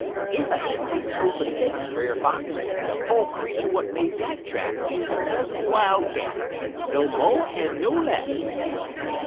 "'Ef I ain't make no mistakes, Brer Fox, de po' creetur w'at make dat track is Cousin Wildcat; no mo' en no less.'